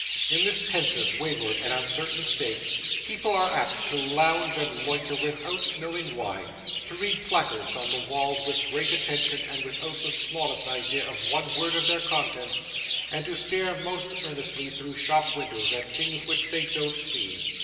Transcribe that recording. In this pensive, wayward, and uncertain state, people are apt to lounge and loiter without knowing why, to read placards on the walls with great attention and without the smallest idea of one word of their contents, and to stare most earnestly through shop windows at things which they don't see.